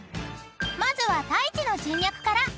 ［まずは太一の人脈から。